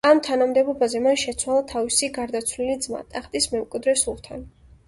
ამ თანამდებობაზე მან შეცვალა თავისი გარდაცვლილი ძმა, ტახტის მემკვიდრე სულთანი.